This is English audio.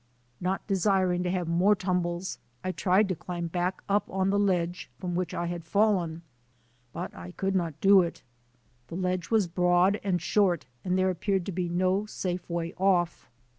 Not desiring to have more tumbles, I tried to climb back up on the ledge from which I had fallen, but I could not do it. The ledge was broad and short and there appeared to be no safe way off.